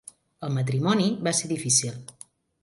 El matrimoni va ser difícil.